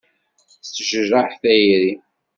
Tettejraḥ tayri.